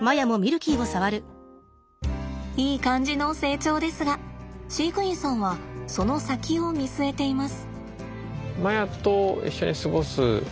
いい感じの成長ですが飼育員さんはその先を見据えています。